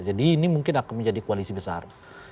jadi ini mungkin akan menjadi koalisi besar